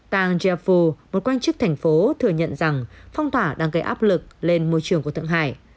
tàng japo một quan chức thành phố thừa nhận rằng phong tỏa đang gây áp lực lên môi trường của thượng hải